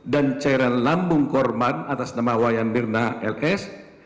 dan cairan lambung korban atas nama wayan mirna ls